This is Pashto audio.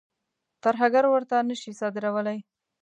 ترهګر ورته نه شي صادرولای.